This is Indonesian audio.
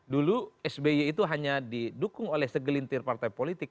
dulu sby itu hanya didukung oleh segelintir partai politik